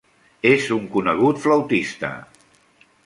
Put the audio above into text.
És un conegut flautista.